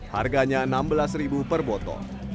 harganya rp enam belas per botol